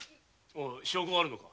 証拠があるのか？